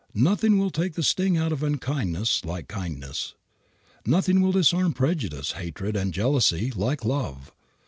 Nothing will take the sting out of unkindness like kindness; nothing will disarm prejudice, hatred, and jealousy like love.